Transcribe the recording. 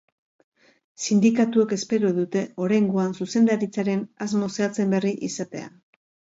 Sindikatuek espero dute oraingoan zuzendaritzaren asmo zehatzen berri izatea.